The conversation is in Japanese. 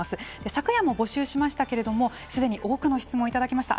昨夜も募集しましたけれどもすでに多くの質問をいただきました。